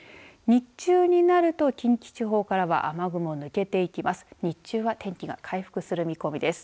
日中になると近畿地方からは雨雲、抜けていきます。